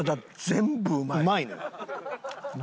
全部うまい。